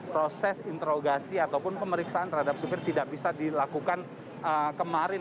proses interogasi ataupun pemeriksaan terhadap supir tidak bisa dilakukan kemarin